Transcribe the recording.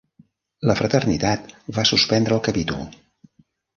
La fraternitat va suspendre el capítol.